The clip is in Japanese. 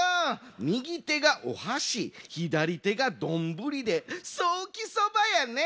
みぎてがおはしひだりてがどんぶりでソーキそばやね。